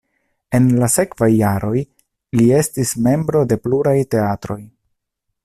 En la sekvaj jaroj li estis membro de pluraj teatroj.